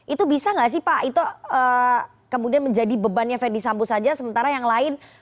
itu bisa nggak sih pak itu kemudian menjadi bebannya fendi sambo saja sementara yang lain